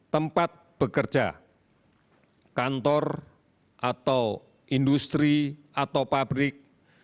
tempat bekerja kantor atau industri atau pabrik